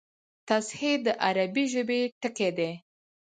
تصحیح د عربي ژبي ټکی دﺉ.